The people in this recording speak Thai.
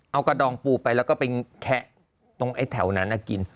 เอากระดองปูไปแล้วก็ไปแคะตรงไอ้แถวนั้นกิน